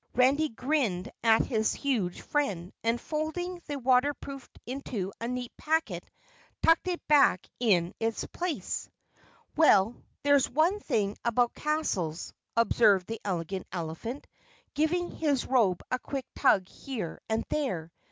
Randy grinned up at his huge friend and, folding the waterproof into a neat packet, tucked it back in its place. "Well, there's one thing about castles," observed the Elegant Elephant, giving his robe a quick tug here and there.